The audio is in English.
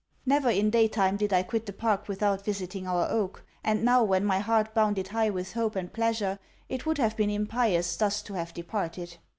Never in day time did I quit the park without visiting our oak; and now, when my heart bounded high with hope and pleasure, it would have been impious thus to have departed.